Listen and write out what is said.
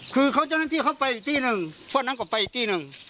คือเขาจะนั่งที่เขาไปอีกที่หนึ่งเพราะนั่งเขาไปอีกที่หนึ่ง